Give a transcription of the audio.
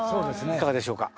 いかがでしょうか。